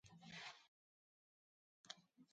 خر وویل چې زما ژوند تر اس غوره دی.